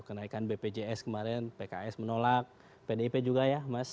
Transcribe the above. kenaikan bpjs kemarin pks menolak pdip juga ya mas